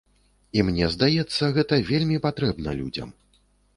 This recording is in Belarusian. І мне здаецца, гэта вельмі патрэбна людзям.